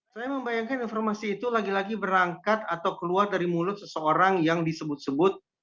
saya membayangkan informasi itu lagi lagi berangkat atau keluar dari mulut seseorang yang disebut sebut